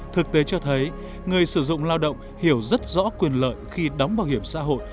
thực tế cho thấy người sử dụng lao động hiểu rất rõ quyền lợi khi đóng bảo hiểm xã hội